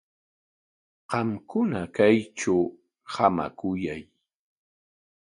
Qamkuna kaytraw hamakuyay.